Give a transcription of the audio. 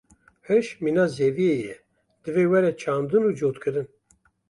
Hiş mîna zeviyê ye, divê were çandin û cotkirin.